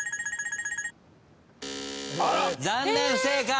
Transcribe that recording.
残念不正解。